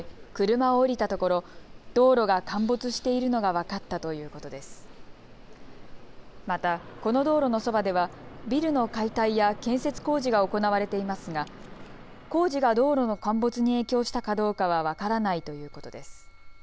また、この道路のそばではビルの解体や建設工事が行われていますが工事が道路の陥没に影響したかどうかは分からないということです。